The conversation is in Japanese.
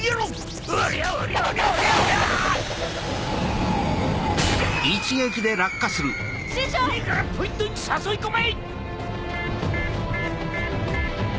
いいからポイントに誘い込め！